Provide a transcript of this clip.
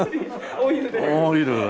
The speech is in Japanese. オイル。